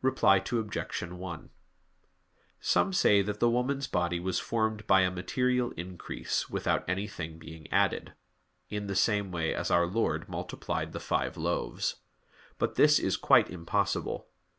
Reply Obj. 1: Some say that the woman's body was formed by a material increase, without anything being added; in the same way as our Lord multiplied the five loaves. But this is quite impossible.